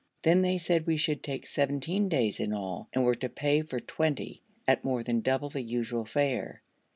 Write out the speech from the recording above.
Then they said we should take seventeen days in all, and were to pay for twenty at more than double the usual fare.